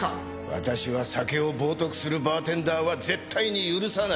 私は酒を冒涜するバーテンダーは絶対に許さない。